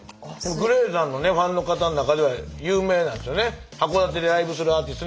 ＧＬＡＹさんのねファンの方の中では有名なんですよね。